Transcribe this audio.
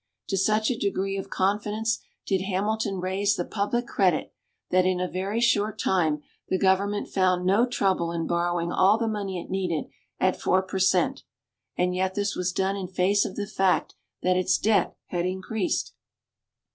To such a degree of confidence did Hamilton raise the public credit that in a very short time the government found no trouble in borrowing all the money it needed at four per cent; and yet this was done in face of the fact that its debt had increased.